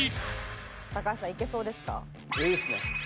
高橋さんいけそうですか？